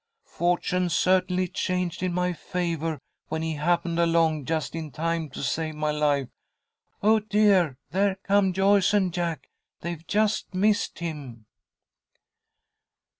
Fortune certainly changed in my favour when he happened along just in time to save my life. Oh, dear, there come Joyce and Jack! They've just missed him!"